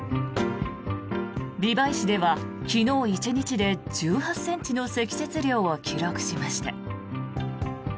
美唄市では昨日１日で１８ｃｍの積雪量を記録しました。